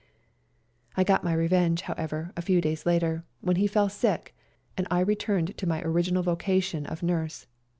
B. I got my revenge, however, a few days later, when he fell sick, and I returned to my original voca tion of nurse.